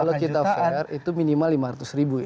kalau kita fair itu minimal lima ratus ribu ya